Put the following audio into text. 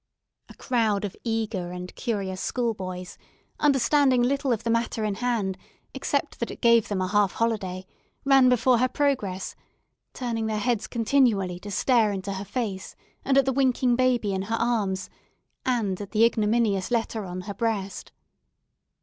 A crowd of eager and curious schoolboys, understanding little of the matter in hand, except that it gave them a half holiday, ran before her progress, turning their heads continually to stare into her face and at the winking baby in her arms, and at the ignominious letter on her breast.